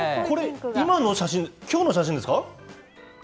これ、今の写真、きょうの写真ですか？